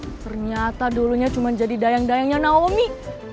ternyata dulunya cuman jadi dayang dayangnya naomi